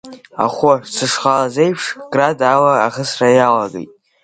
Ахәы сышхалаз еиԥш, Град ала ахысра иалагеит.